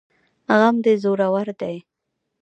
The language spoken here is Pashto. غم دي زورور دی